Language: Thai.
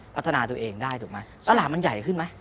พัฒนาตัวเองได้ถูกไหมตลาดมันใหญ่ขึ้นไหม